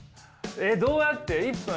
どうやって１分？